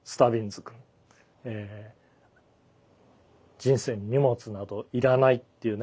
人生に荷物などいらないっていうね